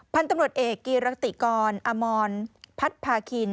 พันธุ์ตำรวจเอกกีรติกรออมรพัดพาคิน